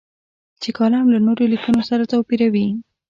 چې کالم له نورو لیکنو سره توپیروي.